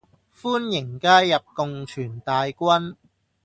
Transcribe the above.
歡迎加入共存大軍